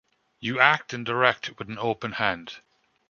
You act and direct with an open hand.